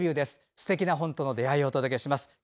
すてきな本との出会いをお届けします。